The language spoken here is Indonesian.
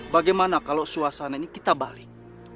bagaimana kalau suasana ini kita balik